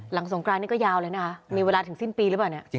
สงกรานนี้ก็ยาวเลยนะคะมีเวลาถึงสิ้นปีหรือเปล่าเนี่ย